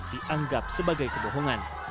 dianggap sebagai kedohongan